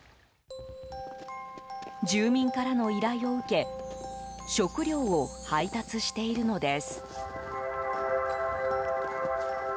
住民からの依頼を受け食料を配達しているのです。